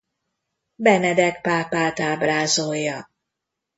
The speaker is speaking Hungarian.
Benedek pápát ábrázolja.